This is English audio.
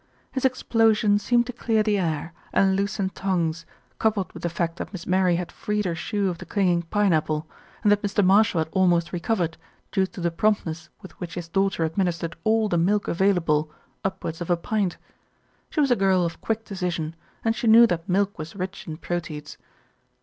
His explosion seemed to clear the air and loosen tongues, coupled with the fact that Miss Mary had freed her shoe of the clinging pineapple and that Mr. Marshall had almost recovered, due to the promptness ivith which his daughter administered all the milk avail able, upwards of a pint. She was a girl of quick decision, and she knew that milk was rich in proteids.